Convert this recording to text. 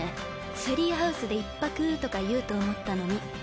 「ツリーハウスで１泊」とか言うと思ったのに。